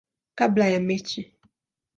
kabla ya mechi.